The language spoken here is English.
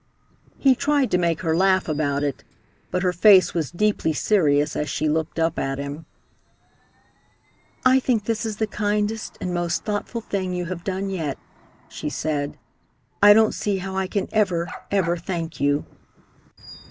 He tried to make her laugh about it, but her face was deeply serious as she looked up at him. "I think this is the kindest and most thoughtful thing you have done yet," she said. "I don't see how I can ever, ever thank you!"